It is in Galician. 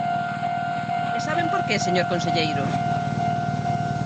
¿E saben por que, señor conselleiro?